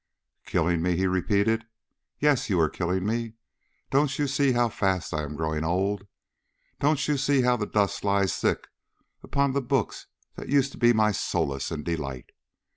"Killing me?" he repeated. "Yes, you are killing me. Don't you see how fast I am growing old? Don't you see how the dust lies thick upon the books that used to be my solace and delight?